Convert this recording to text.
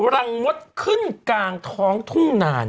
รังมดขึ้นกลางท้องทุ่งนาน